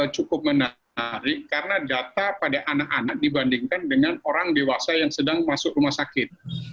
cukup menarik karena data pada anak anak dibandingkan dengan orang dewasa yang sedang masuk rumah sakit